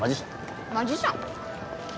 マジシャン？